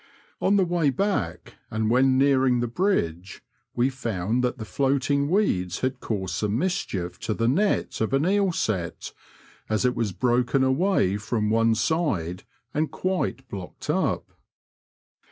On the way back, and when nearing the bridge, we found that the floating weeds had caused some mischief to the net of an eel set, as it was broken away from one side and quite blocked up.